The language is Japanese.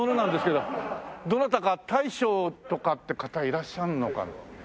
どなたか大将とかって方いらっしゃるのか。